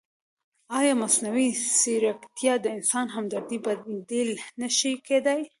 ایا مصنوعي ځیرکتیا د انساني همدردۍ بدیل نه شي کېدای؟